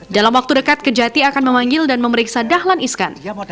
dalam waktu dekat kejati akan memanggil dan memeriksa dahlan iskan